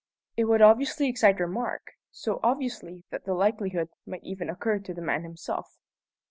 "It would obviously excite remark: so obviously that the likelihood might even occur to the man himself."